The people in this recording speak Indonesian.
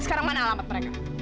sekarang mana alamat mereka